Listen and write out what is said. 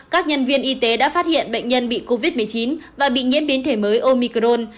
các nhân viên y tế đã phát hiện bệnh nhân bị covid một mươi chín và bị nhiễm biến thể mới omicron